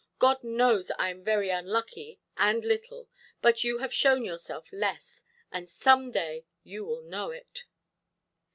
God knows I am very unlucky and little, but you have shown yourself less. And some day you will know it".